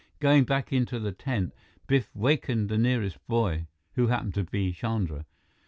Going back into the tent, Biff wakened the nearest boy, who happened to be Chandra.